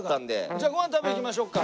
じゃあご飯食べ行きましょうか。